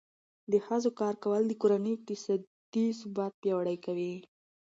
د ښځو کار کول د کورنۍ اقتصادي ثبات پیاوړی کوي.